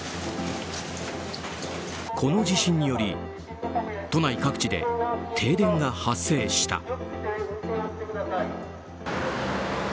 この地震により都内各地で停電が発生した。